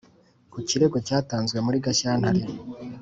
ku kirego cyatanzwe muri gashyantare